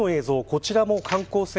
こちらも観光船